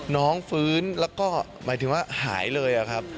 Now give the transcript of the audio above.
น้องฟื้นแล้วก็หมายถึงว่าหายเลยครับ